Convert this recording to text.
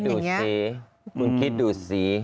นี่คุณคิดดูสีคุณคิดดูสี